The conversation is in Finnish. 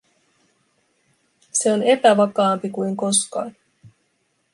Se on epävakaampi kuin koskaan.